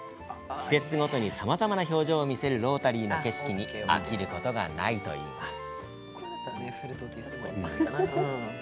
季節ごとにさまざまな表情を見せるロータリーの景色に飽きることがないといいます。